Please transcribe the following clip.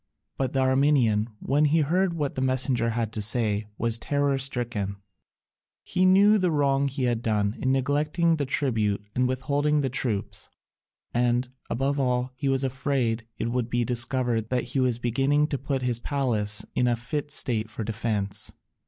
But the Armenian, when he heard what the messenger had to say, was terror stricken: he knew the wrong he had done in neglecting the tribute and withholding the troops, and, above all, he was afraid it would be discovered that he was beginning to put his palace in a fit state for defence.